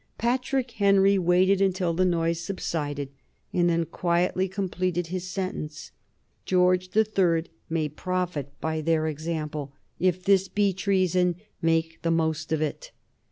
Patrick Henry waited until the noise subsided, and then quietly completed his sentence, "George the Third may profit by their example. If this be treason, make the most of it."